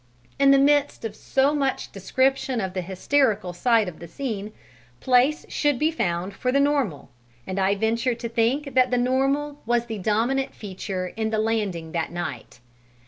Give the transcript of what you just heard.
In the midst of so much description of the hysterical side of the scene, place should be found for the normal and I venture to think the normal was the dominant feature in the landing that night.